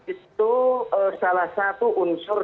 itu salah satu unsur